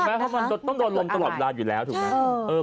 ถึงแม้ว่ามันต้องโดนลมตลอดรัดอยู่แล้วถูกไหม